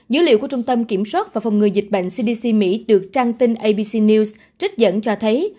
dữ liệu của trung tâm kiểm soát và phòng ngừa dịch bệnh cdc mỹ được trang tin abc news trích dẫn cho thấy